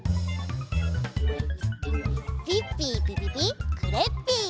ピッピーピピピクレッピー！